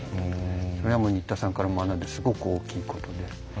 それは新田さんから学んだすごく大きいことで。